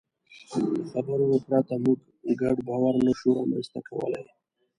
له خبرو پرته موږ ګډ باور نهشو رامنځ ته کولی.